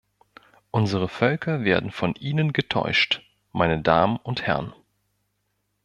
Unsere Völker werden von Ihnen getäuscht, meine Damen und Herren.